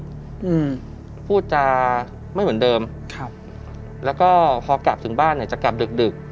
อืมพูดจาไม่เหมือนเดิมครับแล้วก็พอกลับถึงบ้านเนี้ยจะกลับดึกดึก